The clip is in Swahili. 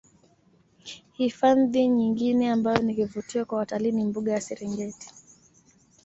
Hifandhi nyingine ambayo ni kivutio kwa watalii ni mbuga ya Serengeti